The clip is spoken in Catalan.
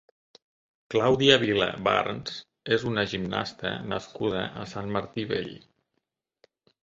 Claudia Vila Barnes és una gimnasta nascuda a Sant Martí Vell.